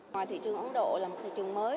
ngoài thị trường ấn độ là một thị trường mới